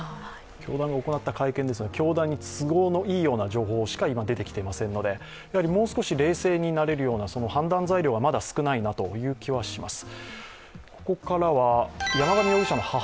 教団が行った会見ですので、教団に都合のいい情報しか今は手できていませんので、もう少し冷静になれるような判断材料がまだ少ないなという気はします。